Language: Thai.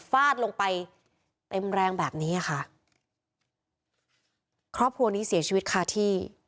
ฟาดลงไปเต็มแรงแบบนี้อ่ะค่ะครอบครัวนี้เสียชีวิตคาที่